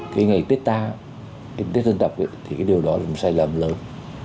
thì ngày tết ta tết dân tộc thì điều đó là một sai lầm lớn